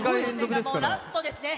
ラストですね。